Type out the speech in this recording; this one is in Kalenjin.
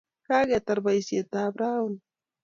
kaketar boisietab rauni